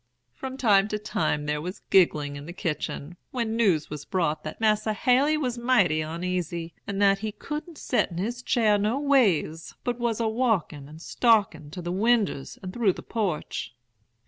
"From time to time there was giggling in the kitchen, when news was brought that 'Mas'r Haley was mighty oneasy, and that he couldn't set in his cheer no ways, but was a walkin' and stalkin' to the winders and through the porch.'